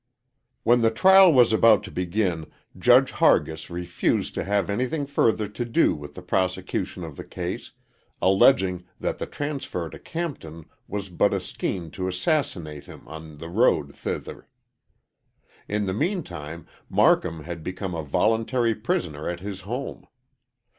When the trial was about to begin Judge Hargis refused to have anything further to do with the prosecution of the case, alleging that the transfer to Campton was but a scheme to assassinate him on the road thither. In the meantime Marcum had become a voluntary prisoner at his home.